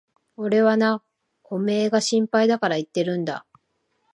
俺はな、おめえが心配だから言ってるんだ。